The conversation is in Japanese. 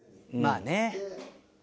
まあね。